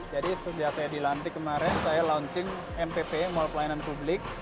jadi setelah saya dilantik kemarin saya launching mpp mall pelayanan publik